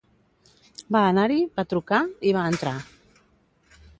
Va anar-hi, va trucar i va entrar.